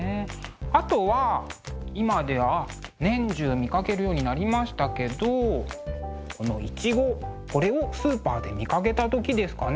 あとは今では年中見かけるようになりましたけどこのいちごこれをスーパーで見かけた時ですかね。